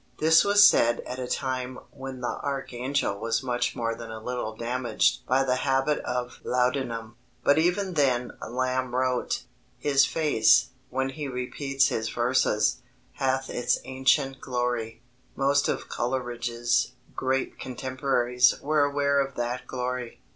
This was said at a time when the archangel was much more than a little damaged by the habit of laudanum; but even then Lamb wrote: "His face, when he repeats his verses, hath its ancient glory." Most of Coleridge's great contemporaries were aware of that glory.